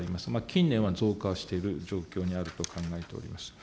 近年は増加をしている状況にあると考えております。